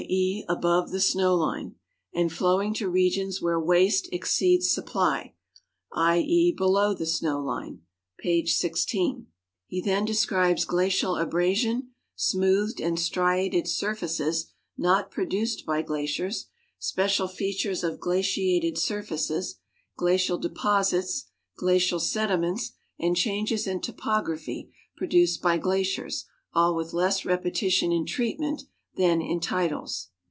e., above the snow line, and flowing to regions where waste exceeds supply, ;. e., below the snow line" (page 16). He then describes glacial abrasion, smoothed and striated surfaces not produced by glaciers, special features of glaciated surfaces, glacial deposits, glacial sediments, and changes in topography produced by glaciers, all witii less repetition in treatment than in titles.